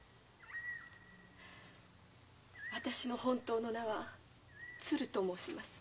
私の本当の名はつると申します。